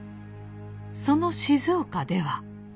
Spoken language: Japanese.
その静岡では。